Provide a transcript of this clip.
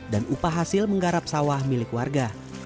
dan upah hasil menggarap sawah milik warga